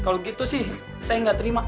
kalau gitu sih saya nggak terima